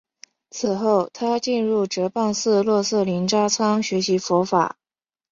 此后他进入哲蚌寺洛色林扎仓学习佛法。